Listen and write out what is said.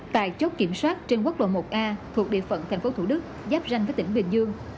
tại chốt kiểm soát trên quốc lộ một a thuộc địa phận thành phố thủ đức giáp ranh với tỉnh bình dương